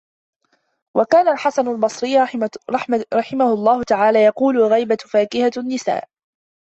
وَكَانَ الْحَسَنُ الْبَصْرِيُّ رَحِمَهُ اللَّهُ تَعَالَى ، يَقُولُ الْغِيبَةُ فَاكِهَةُ النِّسَاءِ